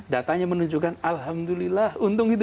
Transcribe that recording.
datanya menunjukkan alhamdulillah untung itu